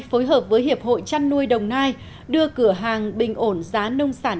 phối hợp với hiệp hội chăn nuôi đồng nai đưa cửa hàng bình ổn giá nông sản